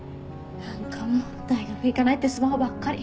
何かもう大学行かないってスマホばっかり。